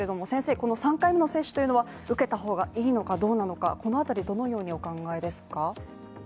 この３回目の接種というのは受けた方がいいのかどうなのか、このあたりどのようにお考えですか。